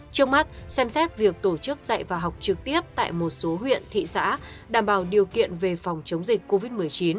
trước mắt xem xét việc tổ chức dạy và học trực tiếp tại một số huyện thị xã đảm bảo điều kiện về phòng chống dịch covid một mươi chín